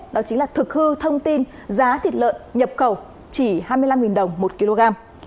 đó chính là thực hư thông tin giá thịt lợn nhập khẩu chỉ hai mươi năm đồng một kg